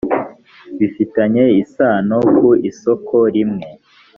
bifitanye isano ku isoko rimwe